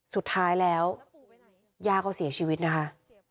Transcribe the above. สุดท้ายแล้วย่าเขาเสียชีวิตนะคะ